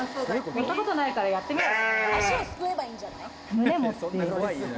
やったことないから、やってみよう。